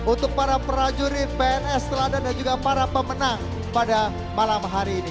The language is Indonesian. untuk para prajurit pns teladan dan juga para pemenang pada malam hari ini